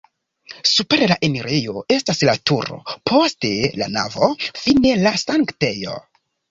Super la enirejo estas la turo, poste la navo, fine la sanktejo.